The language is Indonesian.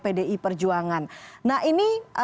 pdi perjuangan nah ini